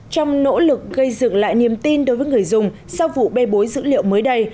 trong nỗ lực gây dựng lại niềm tin đối với người dùng sau vụ bê bối dữ liệu mới đây